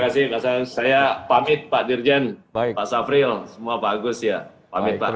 saya pamit pak dirjen